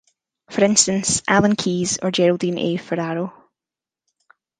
For instance, Alan Keyes or Geraldine A. Ferraro.